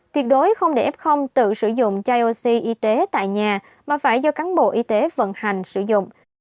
tuyệt đối không để f tự sử dụng chai oxy y tế tại nhà mà phải do cán bộ y tế vận hành sử dụng